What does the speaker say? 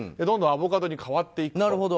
どんどんアボカドに変わっていくと。